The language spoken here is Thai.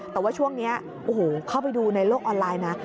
แต่ว่าช่วงนี้โอ้โหเข้าไปดูในโลกออนไลน์นะ